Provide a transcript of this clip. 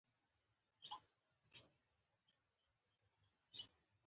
ملګری ته د زړه خبرې ویل اسانه وي